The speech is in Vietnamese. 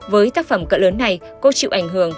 với tác phẩm cỡ lớn này cô chịu ảnh hưởng